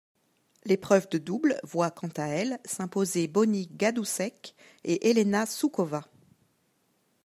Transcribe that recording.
L'épreuve de double voit quant à elle s'imposer Bonnie Gadusek et Helena Suková.